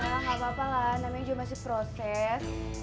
ya gak apa apalah namanya juga masih proses